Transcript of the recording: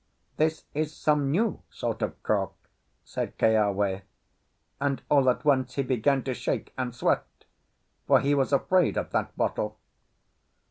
"This is some new sort of cork," said Keawe, and all at once he began to shake and sweat, for he was afraid of that bottle.